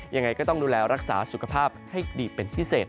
ยังไงก็ต้องดูแลรักษาสุขภาพให้ดีเป็นพิเศษ